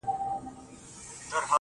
• جنگ دی سوله نه اكثر.